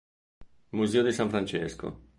Museo di San Francesco